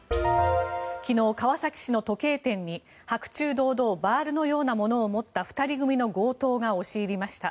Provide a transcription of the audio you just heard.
昨日、川崎市の時計店に白昼堂々バールのようなものを持った２人組の強盗が押し入りました。